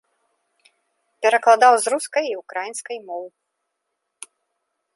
Перакладаў з рускай і ўкраінскай моў.